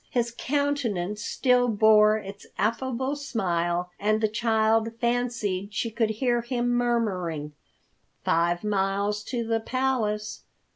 His countenance still bore its affable smile and the child fancied she could hear him murmuring, "Five miles to the Palace.